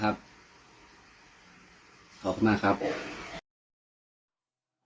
ขอบคุณมากครับ